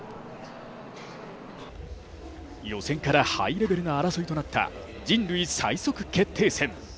予選からハイレベルな争いとなった人類最速決定戦。